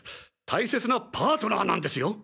大切なパートナーなんですよ？